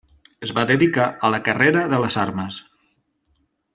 Es va dedicar a la carrera de les armes.